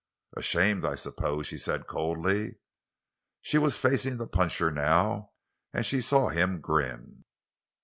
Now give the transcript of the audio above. "Ashamed, I suppose," she said coldly. She was facing the puncher now, and she saw him grin.